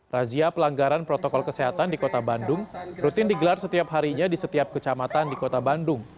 razia pelanggaran protokol kesehatan di kota bandung rutin digelar setiap harinya di setiap kecamatan di kota bandung